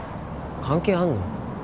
関係あんの？